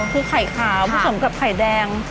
คือไข่คาวต้องกับไข่แดง